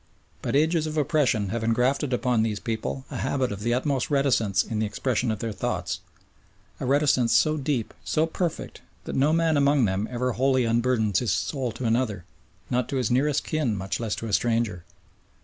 But ages of oppression have engrafted upon these people a habit of the utmost reticence in the expression of their thoughts a reticence so deep, so perfect, that no man among them ever wholly unburthens his soul to another, not to his nearest kin, much less to a stranger.